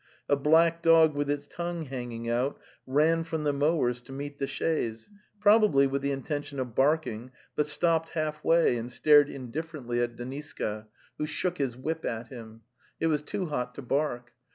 A black dog with its tongue hanging out ran from the mowers to meet the chaise, probably with the intention of barking, but stopped halfway and stared indifferently at De The Steppe 169 niska, who shook his whip at him; it was too hot to bark!